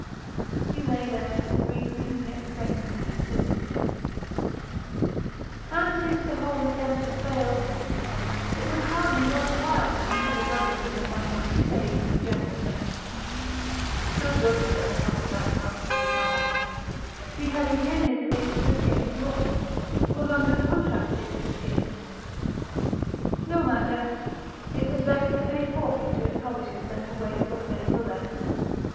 He lay there, weakly yet sanely considering it.... And since the whole attempt had failed, it was hardly worth while to consider whether a little might not be saved from the general wreck. No good would ever come of that half finished novel. He had intended that it should appear in the autumn; was under contract that it should appear; no matter; it was better to pay forfeit to his publishers than to waste what days were left.